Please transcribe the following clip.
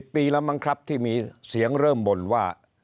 ปีแล้วมั้งครับที่มีเสียงเริ่มบ่นว่า